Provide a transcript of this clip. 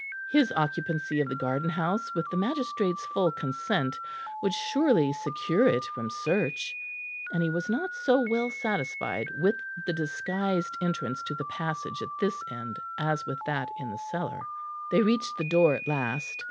His occupancy of the garden house with the magistrate's full consent would surely secure it from search; and he was not so well satisfied with the disguised entrance to the passage at this end as with that in the cellar. They reached the door at last.